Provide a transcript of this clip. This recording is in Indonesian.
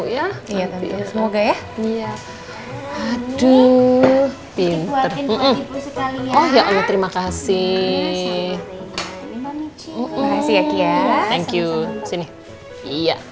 ya semoga ya iya aduh pinter oh ya allah terima kasih terima kasih ya kira thank you sini iya